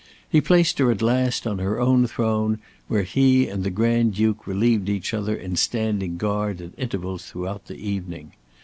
He placed her at last on her own throne, where he and the Grand Duke relieved each other in standing guard at intervals throughout the evening.